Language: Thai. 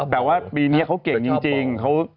แต่ว่าปีนี้เขาเก่งจริง